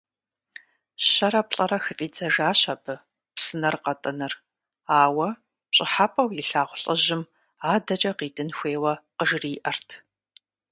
Щэрэ-плӏэрэ хыфӏидзэжащ абы псынэр къэтӏыныр, ауэ пщӏыхьэпӏэу илъагъу лӏыжьым адэкӏэ къитӏын хуейуэ къыжриӏэрт.